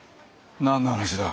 何の話だ？